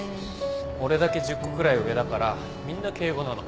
俺だけ１０個くらい上だからみんな敬語なの。